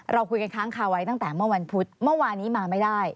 เราคุยกันค้างคาไว้ตั้งแต่เมื่อวันพุธเมื่อวานนี้มาไม่ได้